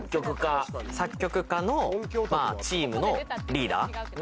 作曲家のチームのリーダー。